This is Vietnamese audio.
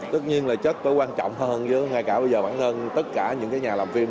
tất nhiên là chất có quan trọng hơn với ngay cả bản thân tất cả những nhà làm phim